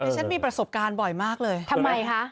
ฉันมีประสบการณ์บ่อยมากเลยทำไมคะ